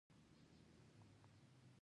اردو ژبي لیکوال حسن نثار یو مفهوم راخیستی.